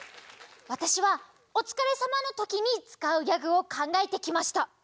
わたしはおつかれさまのときにつかうギャグをかんがえてきました。